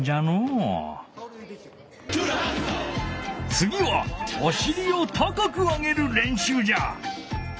つぎはおしりを高く上げる練習じゃ！